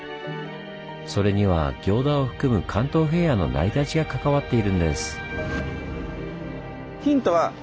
それには行田を含む関東平野の成り立ちが関わっているんです。